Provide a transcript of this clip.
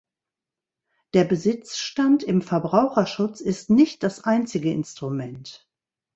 Der Besitzstand im Verbraucherschutz ist nicht das einzige Instrument.